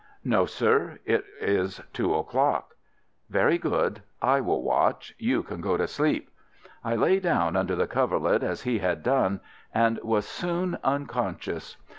"No, sir. It is two o'clock." "Very good. I will watch. You can go to sleep." I lay down under the coverlet as he had done, and was soon unconscious.